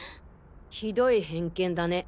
ひどい偏見だね。